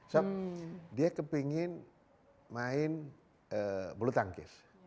so dia kepingin main bulu tangkis